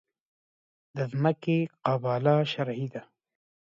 د ځمکې قباله شرعي ده؟